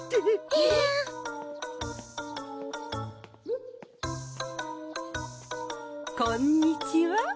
えっ？こんにちは。